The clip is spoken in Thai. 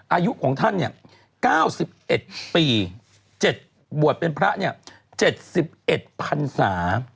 อายุของท่าน๙๑ปี๗บวชเป็นพระ๗๑พันศา